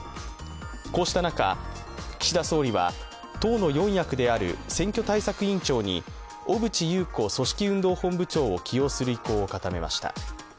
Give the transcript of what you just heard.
こうした中、岸田総理は党の４役である選挙対策委員長に小渕優子組織運動本部長を起用する意向を固めました。